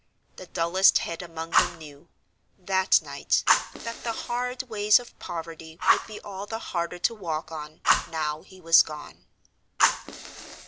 The dullest head among them knew, that night, that the hard ways of poverty would be all the harder to walk on, now he was gone.